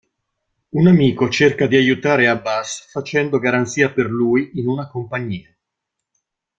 Un amico cerca di aiutare Abbas facendo garanzia per lui in una compagnia.